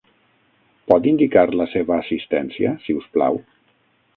Pot indicar la seva assistència, si us plau?